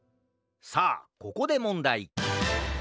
さあここでもんだい。